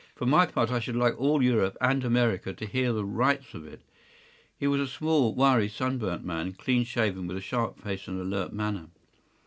For my part, I should like all Europe and America to hear the rights of it.” He was a small, wiry, sunburnt man, clean shaven, with a sharp face and alert manner.